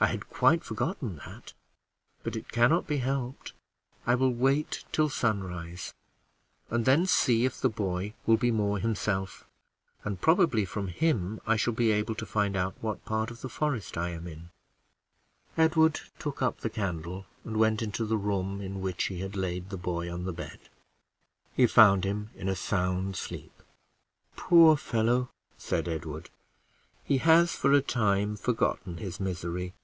I had quite forgotten that, but it can not be helped. I will wait till sunrise, and then see if the boy will be more himself, and probably from him I shall be able to find out what part of the forest I am in." Edward took up the candle and went into the room in which he had laid the boy on the bed. He found him in a sound sleep. "Poor fellow," said Edward, "he has for a time forgotten his misery.